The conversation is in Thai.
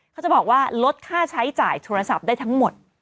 เขาจะบอกว่าลดค่าใช้จ่ายโทรศัพท์ได้ทั้งหมด